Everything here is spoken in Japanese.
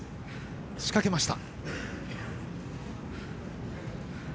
仕掛けました。